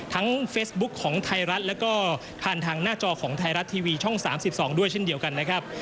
เฟซบุ๊คของไทยรัฐแล้วก็ผ่านทางหน้าจอของไทยรัฐทีวีช่อง๓๒ด้วยเช่นเดียวกันนะครับ